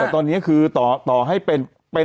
ฟังลูกครับ